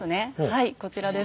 はいこちらです。